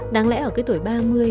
đáng lẽ ở cái tuổi ba mươi